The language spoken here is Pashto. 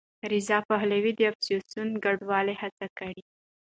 رضا پهلوي د اپوزېسیون ګډولو هڅې کړي.